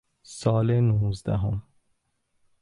سال نوزدهم